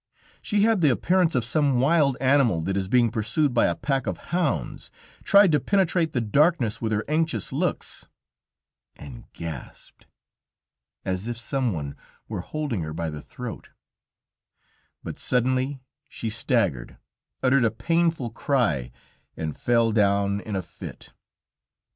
She had the appearance of some wild animal that is being pursued by a pack of hounds, tried to penetrate the darkness with her anxious looks, and gasped as if some one were holding her by the throat; but suddenly she staggered, uttered a painful cry and fell down in a fit.